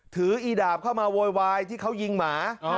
อีดาบเข้ามาโวยวายที่เขายิงหมา